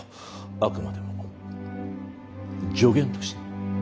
あくまでも助言として。